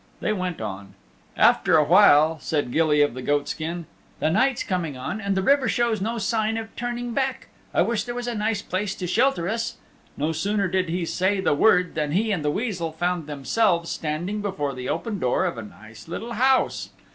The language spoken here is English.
They went on. After a while said Gilly of the Goatskin, "The night's coming on and the fiver shows no sign of turning back. I wish there was a nice place to shelter us." No sooner did he say the word than he and the Weasel found them selves standing before the open door of a nice little house.